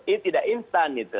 ini tidak instan gitu